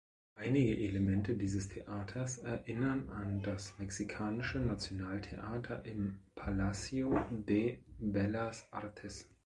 Einige Elemente dieses Theaters erinnern an das mexikanische Nationaltheater im "Palacio de Bellas Artes".